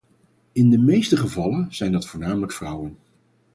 In de meeste gevallen zijn dat voornamelijk vrouwen.